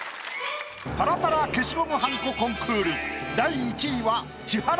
パラパラ消しゴムはんこコンクール。